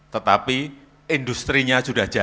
tetapi industri nya sudah jauh